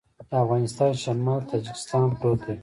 د افغانستان شمال ته تاجکستان پروت دی